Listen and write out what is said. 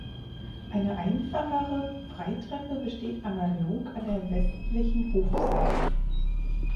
Eine einfachere Freitreppe besteht analog an der westlichen Hofseite.